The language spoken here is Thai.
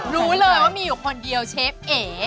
รู้เลยว่ามีอยู่คนเดียวเชฟเอ๋